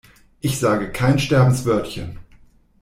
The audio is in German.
Ich sage kein Sterbenswörtchen.